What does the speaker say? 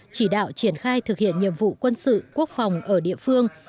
chỉ đạo triển khai thực hiện nhiệm vụ quân sự quốc phòng ở địa phương